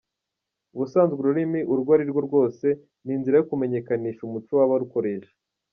Ubusanzwe ururimi urwo arirwo rwose ni inzira yo kumenyekanisha umuco w’abarukoresha.